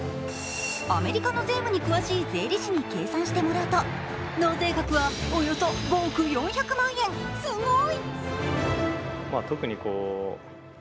アメリカの税務に詳しい税理士に計算してもらうと納税額はおよそ５億４００万円、すごい！